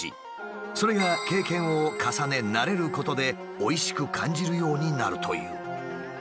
それが経験を重ね慣れることでおいしく感じるようになるという。